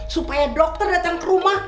supaya dokter datang ke rumah